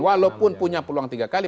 walaupun punya peluang tiga kali